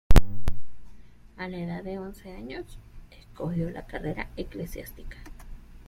A la edad de once años escogió la carrera eclesiástica.